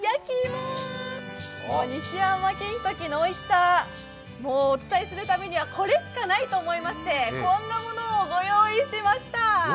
この西山きんときのおいしさを伝えるためにはこれしかないと思いまして、こんなものをご用意しました。